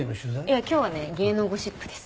いや今日はね芸能ゴシップです。